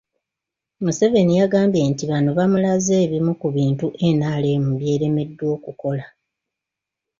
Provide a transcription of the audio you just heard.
Museveni yagambye nti bano bamulaze ebimu ku bintu NRM by'eremeddwa okukola